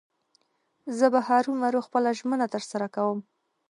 زه به هرو مرو خپله ژمنه تر سره کوم.